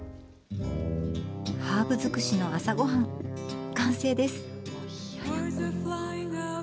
ハーブづくしの朝ごはん完成です。